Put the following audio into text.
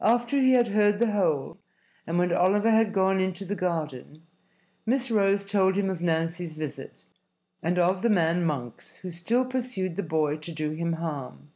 After he had heard the whole, and when Oliver had gone into the garden, Miss Rose told him of Nancy's visit and of the man Monks who still pursued the boy to do him harm.